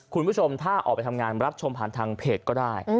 คุณผู้ชมถ้าออกไปทำงานรับชมผ่านทางเพจก็ได้